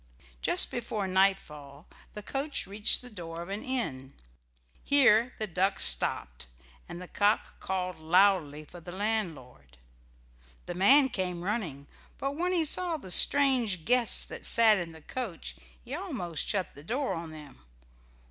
Just before nightfall the coach reached the door of an inn. Here the duck stopped, and the cock called loudly for the landlord. The man came running, but when he saw the strange guests that sat in the coach he almost shut the door on them.